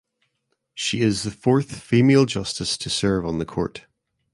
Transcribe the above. She is the fourth female justice to serve on the court.